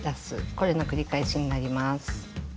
これの繰り返しになります。